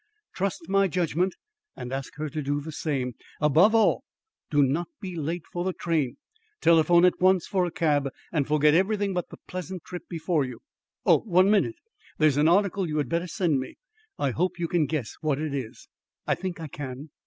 Trust my judgment, and ask her to do the same. Above all, do not be late for the train. Telephone at once for a cab, and forget everything but the pleasant trip before you. Oh, one minute! There's an article you had better send me. I hope you can guess what it is." "I think I can."